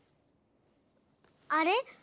あれ？